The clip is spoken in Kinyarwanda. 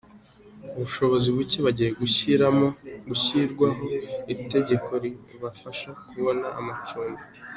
Ab’ubushobozi buke bagiye gushyirirwaho itegeko ribafasha kubona amacumbi